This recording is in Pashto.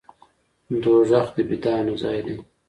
دوزخ د بدانو ځای دی.